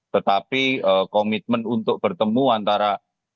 tetapi komitmen untuk bertemu antara